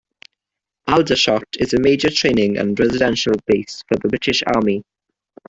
Aldershot is a major training and residential base of the British Army.